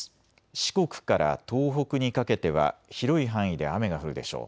四国から東北にかけては広い範囲で雨が降るでしょう。